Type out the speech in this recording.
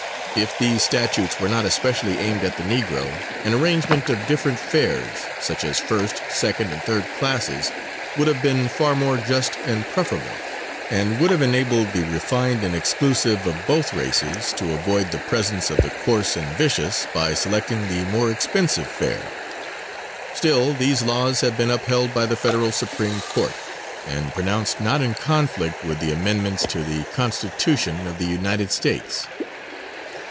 If these statutes were not especially aimed at the negro, an arrangement of different fares, such as first, second and third classes, would have been far more just and preferable, and would have enabled the refined and exclusive of both races to avoid the presence of the coarse and vicious, by selecting the more expensive fare. Still these laws have been upheld by the Federal Supreme Court, and pronounced not in conflict with the amendments to the Constitution of the United States.